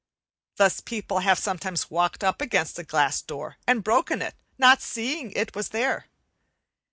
Thus people have sometimes walked up against a glass door and broken it, not seeing it was there.